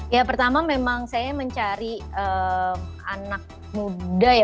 ya pertama memang saya mencari anak muda ya